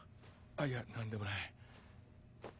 いや何でもない。